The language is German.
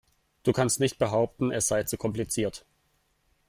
Du kannst nicht behaupten, es sei zu kompliziert.